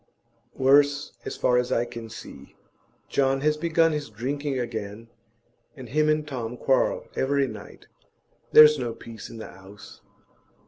'Worse, as far as I can see. John has begun his drinking again, and him and Tom quarrel every night; there's no peace in the 'ouse.